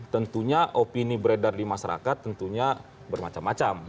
tentunya opini beredar di masyarakat tentunya bermacam macam